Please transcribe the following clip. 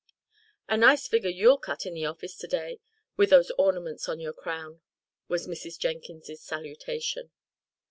"A nice figure you'll cut in the office, to day, with those ornaments on your crown!" was Mrs. Jenkins's salutation.